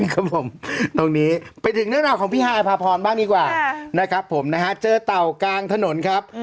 ครับผมตรงนี้ไปถึงเรื่องราวของพี่ฮายภาพรบ้างดีกว่านะครับผมนะฮะเจอเต่ากลางถนนครับ